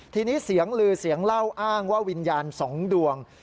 ทีนี้เสียงลือเสียงเล่าอ้างว่าวิญญาณ๒ดวง